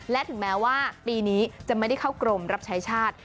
และถึงแม้ว่าปีนี้จะไม่ได้เข้ากรมรับใช้ชาติ